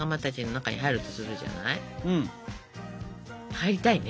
入りたいね